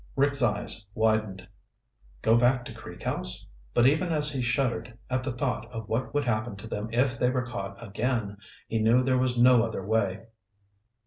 Rick's eyes widened. Go back to Creek House? But even as he shuddered at the thought of what would happen to them if they were caught again, he knew there was no other way.